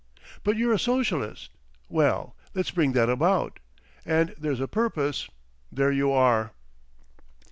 But you're a socialist. Well, let's bring that about! And there's a purpose. There you are!"